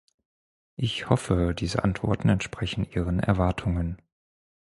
Ich hoffe, diese Antworten entsprechen Ihren Erwartungen.